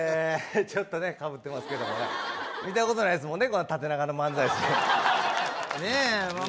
ちょっとねかぶってますけどもね見たことないですもんね縦長の漫才師ねえま